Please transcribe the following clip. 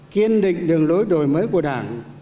kiên định đường lối đổi mới của đảng